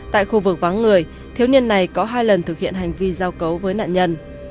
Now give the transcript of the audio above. tại khu vực vắng người thiếu niên này có hai lần thực hiện hành vi giao cấu với nạn nhân